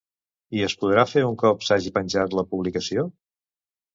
I es podrà fer un cop s'hagi penjat la publicació?